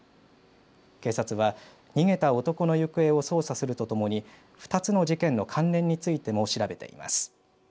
警察は逃げた男の行方を捜査するとともに２つの事件の関連についても調べています。